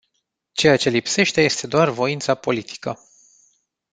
Ceea ce lipsește este doar voința politică.